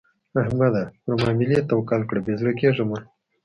احمده؛ پر ماملې توکل کړه؛ بې زړه کېږه مه.